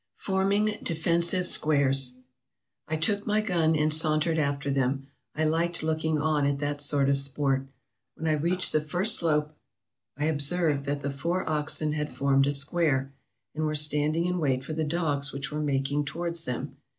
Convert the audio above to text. Forming Defensive Squares " I took my gun, and sauntered after them — I liked looking on at that sort of sport. When I reached the first slope, I observed that the four oxen had formed a square, and were standing in wait for the dogs which were making towards them.